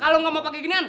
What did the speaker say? kalau gak mau pakai ginian